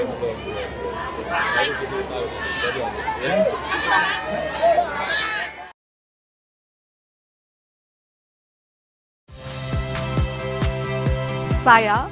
itu tanyakan ke mahkamah